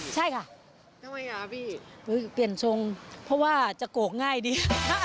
ใช่ค่ะทำไมอ่ะพี่เปลี่ยนทรงเพราะว่าจะโกกง่ายดี